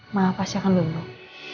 mama pasti akan benar